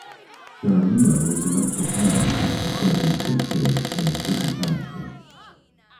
Jaramillo was elected mayor after serving six years on the city council.